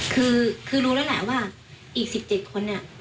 คือคือรู้แล้วแหละว่าอีกสิบเจ็ดคนเนี่ย